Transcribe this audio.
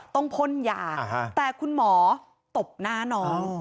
พ่นยาแต่คุณหมอตบหน้าน้อง